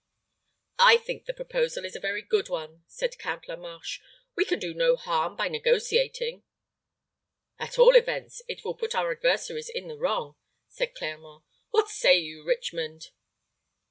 "I think the proposal is a very good one," said the Count La Marche. "We can do no harm by negotiating." "At all events, it will put our adversaries in the wrong," said Clermont. "What say you, Richmond?"